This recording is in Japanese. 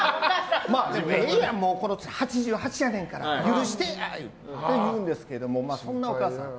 自分はええやん、８８やねんから許してやって言うんですけどそんなお母さんです。